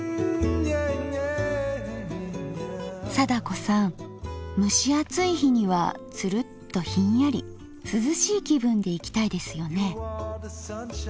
貞子さん蒸し暑い日にはツルッとひんやり涼しい気分でいきたいですよね。